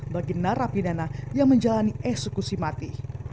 bagi narapidana yang menjalani eksekusi mati